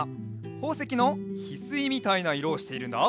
ほうせきのヒスイみたいないろをしているんだ。